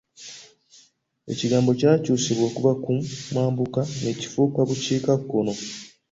Ekigambo kyakyusibwa okuva ku mambuka ne kifuuka bukiikakkono.